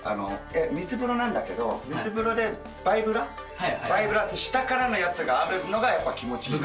水風呂なんだけど、水風呂でバイブラ、バイブラって下からのがあるのが、やっぱ気持ちいい。